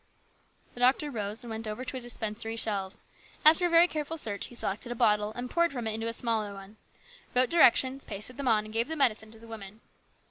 The doctor rose and went over to his dispensary shelves. After a very careful search he selected a bottle and poured from it into a small one, wrote directions, pasted them on, and gave the medicine to the woman.